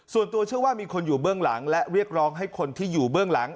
ส่วนตัวเชื่อว่ามีคนอยู่เบื้องหลังและเรียกร้องให้คนที่อยู่เบื้องหลัง